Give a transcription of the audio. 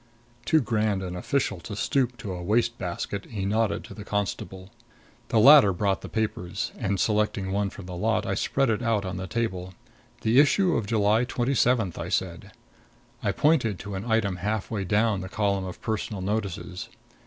Too grand an official to stoop to a waste basket, he nodded to the constable. The latter brought the papers; and, selecting one from the lot, I spread it out on the table. "The issue of July twenty seventh," I said. I pointed to an item half way down the column of Personal Notices.